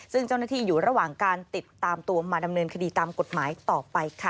ซึ่งเจ้าหน้าที่อยู่ระหว่างการติดตามตัวมาดำเนินคดีตามกฎหมายต่อไปค่ะ